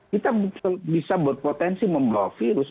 kita bisa berpotensi membawa virus